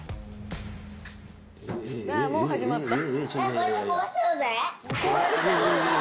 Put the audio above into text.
もう始まった。